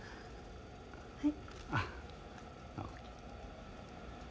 はい。